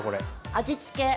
味付け。